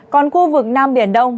còn khu vực nam biển đông